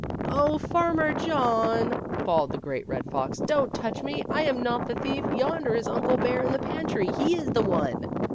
" Oh, Farmer John," bawled the Great Red Fox, " don't touch me , 1 am not the thief. Yonder is Uncle Bear in the pantry, he is the one.'